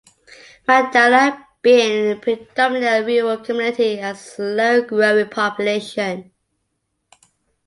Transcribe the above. Madalag being predominantly a rural community has a slow growing population.